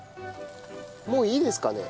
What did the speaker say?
もういいですかね？